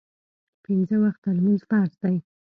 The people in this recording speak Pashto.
پینځه وخته لمونځ فرض دی